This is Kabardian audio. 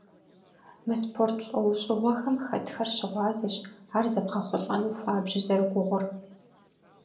Мы спорт лӏэужьыгъуэм хэтхэр щыгъуазэщ ар зэбгъэхъулӏэну хуабжьу зэрыгугъур.